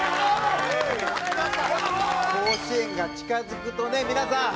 甲子園が近付くとね三奈さん。